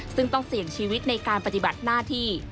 ซึ่งต้องเสี่ยงชีวิตในการปฏิบัติหน้าที่